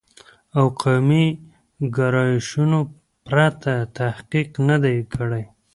او قومي ګرایشونو پرته تحقیق نه دی کړی